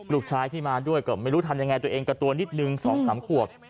ลูกชายที่มาด้วยก็ไม่รู้ทำยังไงตัวเองกับตัวนิดนึง๒๓ขวบ